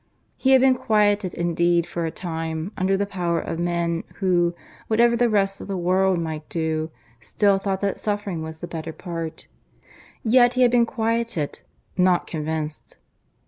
He had been quieted indeed for a time, under the power of men who, whatever the rest of the world might do, still thought that suffering was the better part. Yet he had been quieted; not convinced.